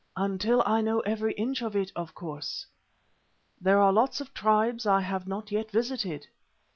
"Until I know every inch of it, of course. There are lots of tribes I have not yet visited."